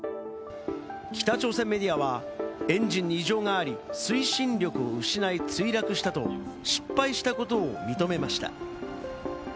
北朝鮮メディアは、エンジンに異常があり、推進力を失い、墜落したと、失敗したことを認めました。